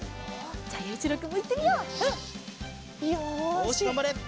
よしがんばれ！